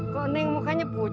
kok nengok mukai nyeput